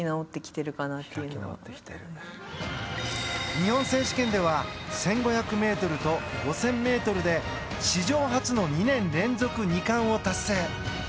日本選手権では１５００ｍと５０００ｍで史上初の２年連続２冠を達成。